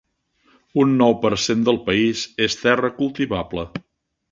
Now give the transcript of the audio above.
Un nou per cent del país és terra cultivable.